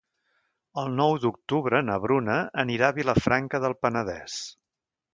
El nou d'octubre na Bruna anirà a Vilafranca del Penedès.